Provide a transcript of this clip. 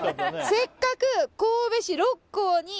「せっかく神戸市六甲に」